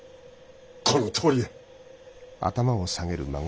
このとおりや。